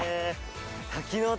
滝の音